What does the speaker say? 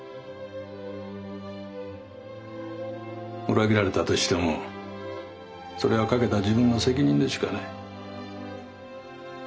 裏切られたとしてもそれはかけた自分の責任でしかない。